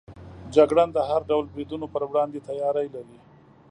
جګړن د هر ډول بریدونو پر وړاندې تیاری لري.